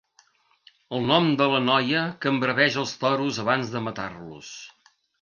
El nom de noia que embraveix els toros abans de matar-los.